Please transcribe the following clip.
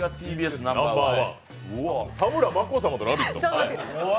「田村真子様のラヴィット」？